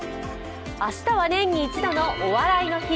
明日は年に一度の「お笑いの日」。